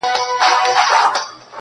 بد ښکارېږم چي وړوکی یم، سلطان یم؛